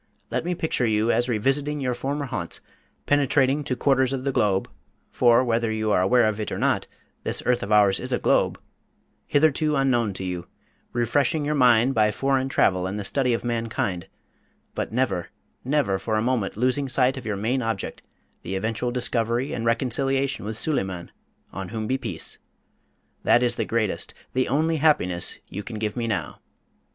Let me picture you as revisiting your former haunts, penetrating to quarters of the globe (for, whether you are aware of it or not, this earth of ours is a globe) hitherto unknown to you, refreshing your mind by foreign travel and the study of mankind but never, never for a moment losing sight of your main object, the eventual discovery of and reconciliation with Suleyman (on whom be peace!). That is the greatest, the only happiness you can give me now.